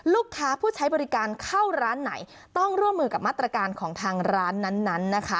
ลูกค้าผู้ใช้บริการเข้าร้านไหนต้องร่วมมือกับมาตรการของทางร้านนั้นนะคะ